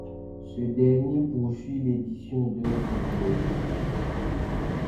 Ce dernier poursuit l'édition d'œuvres de poésie.